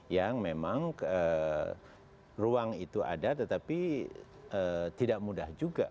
yang memang ruang itu ada tetapi tidak mudah juga